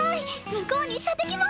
向こうに射的も！